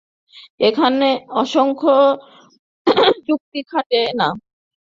এখানে অবশ্য যুক্তি খাটে না।